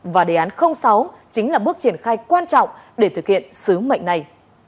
và đề án sáu chính là bước triển khai quan trọng để thực hiện sứ mệnh này